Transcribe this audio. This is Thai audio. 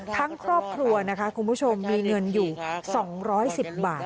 ครอบครัวนะคะคุณผู้ชมมีเงินอยู่๒๑๐บาท